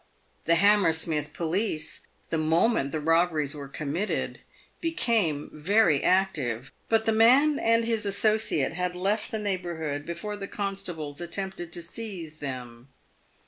The Hammersmith police, the moment the robberies were committed, became very active. But the man and his associate had left the neighbourhood before the constables attempted to seize them.